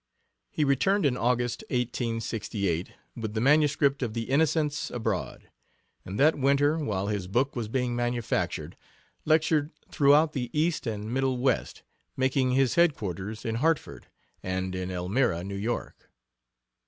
He returned in August, 1868, with the manuscript of the Innocents Abroad, and that winter, while his book was being manufactured, lectured throughout the East and Middle West, making his headquarters in Hartford, and in Elmira, New York.